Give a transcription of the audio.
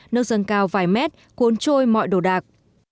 nước dâng cao vài mét cuốn trôi mọi đồ đạc